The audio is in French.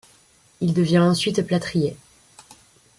Il devient ensuite plâtrier.